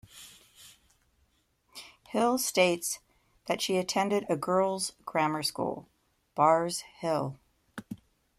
Hill states that she attended a girls' grammar school, Barr's Hill.